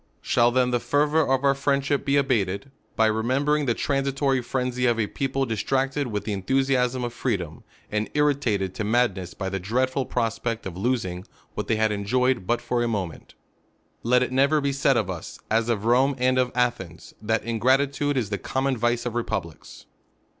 Shall then the fervour of our friendship be abated, by remembering the transitory frenzy of a people distract ed wit^ the enthusiasm of freedom, and irritated to madness by the dreadful prospect of losing what Uiey had enjoyed but for a moment ? Let it nevc^r be said of us, as of Rome and of Athens, that ingratitude is the common vice of republics.